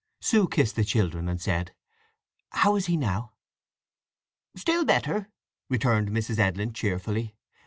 Sue kissed the children, and said, "How is he now?" "Still better!" returned Mrs. Edlin cheerfully.